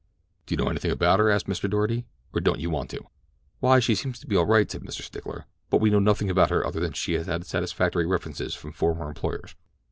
"Do you know anything about her?" asked Mr. Doarty, "or don't you want to?" "Why, she seems to be all right," said Mr. Stickler. "But we know nothing about her other than that she had satisfactory references from former employers."